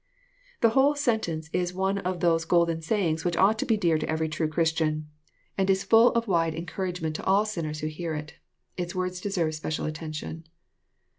45 The whole sentence Is one of those golden sayings which ought to be dear to every true Christian, and is full of wide en couragement to all sinners who hear it. — Its words deserve special attention.